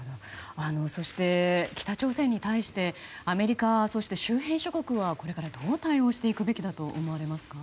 そして北朝鮮に対してアメリカ、そして周辺諸国はどう対応していくべきだと思いますか。